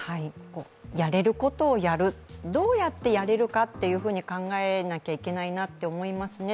やれることをやる、どうやってやれるかっていうふうに考えなきゃいけないなっていうふうに思いますね。